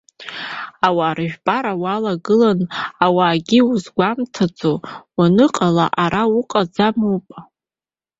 Ауаа рыжәпара уалагыланы, ауаагьы узгәамҭо уаныҟала, ара уҟаӡам ауп.